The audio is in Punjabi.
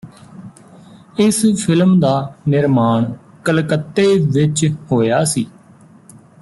ਇਸ ਫਿਲਮ ਦਾ ਨਿਰਮਾਣ ਕਲਕੱਤੇ ਵਿਚ ਹੋਇਆ ਸੀ